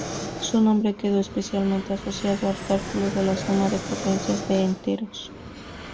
Su nombre quedó especialmente asociado al cálculo de la suma de potencias de enteros.